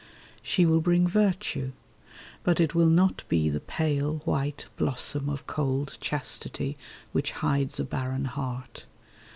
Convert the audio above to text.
She will bring virtue; but it will not be The pale, white blossom of cold chastity Which hides a barren heart.